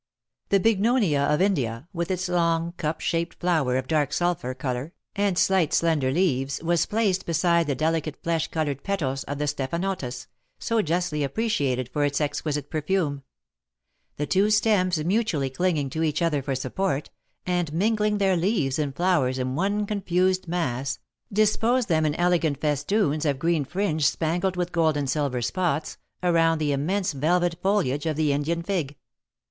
The bignonia of India, with its long, cup shaped flower of dark sulphur colour, and slight, slender leaves, was placed beside the delicate flesh coloured petals of the stephanotis, so justly appreciated for its exquisite perfume; the two stems mutually clinging to each other for support, and mingling their leaves and flowers in one confused mass, disposed them in elegant festoons of green fringe spangled with gold and silver spots, around the immense velvet foliage of the Indian fig.